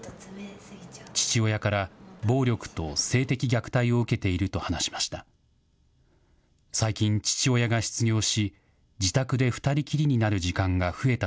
父親から暴力と性的虐待を受けていると話しました。